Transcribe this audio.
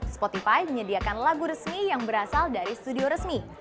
spotify menyediakan lagu resmi yang berasal dari studio resmi